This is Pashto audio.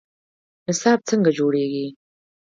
نصاب څنګه جوړیږي؟